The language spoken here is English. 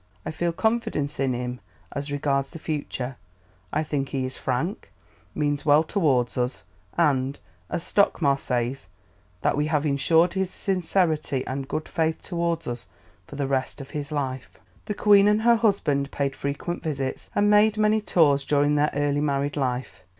I feel confidence in him as regards the future; I think he is frank, means well towards us, and, as Stockmar says, 'that we have insured his sincerity and good faith towards us for the rest of his life.'" The Queen and her husband paid frequent visits, and made many tours during their early married life.